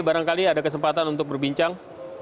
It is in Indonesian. barangkali ada kesempatan untuk berbincang